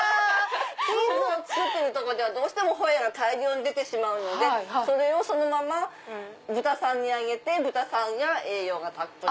チーズを作るとこではホエーが大量に出てしまうのでそれをそのまま豚さんにあげて豚さんが栄養たっぷり。